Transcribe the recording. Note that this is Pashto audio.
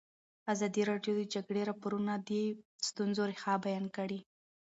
ازادي راډیو د د جګړې راپورونه د ستونزو رېښه بیان کړې.